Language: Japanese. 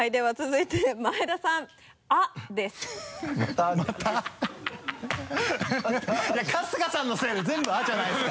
いや春日さんのせいで全部「あ」じゃないですか！